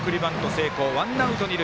成功ワンアウト、二塁。